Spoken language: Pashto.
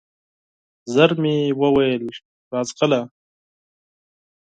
ژر مي وویل ! راځغله